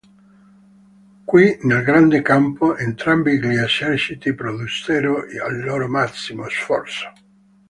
Qui nel grande campo, entrambi gli eserciti produssero il loro massimo sforzo.